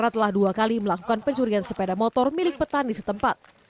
telah dua kali melakukan pencurian sepeda motor milik petani setempat